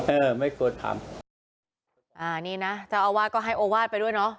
เออไม่ควรทำอ่านี่นะเจ้าอาวาสก็ให้โอวาสไปด้วยเนอะ